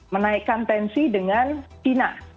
menaikkan tensi dengan china